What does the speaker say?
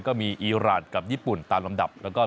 ก็มีอีรานกับญี่ปุ่นตามลำดับ